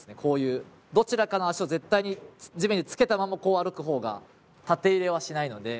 どちらかの足を絶対に地面につけたままこう歩く方が縦揺れはしないので。